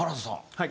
はい。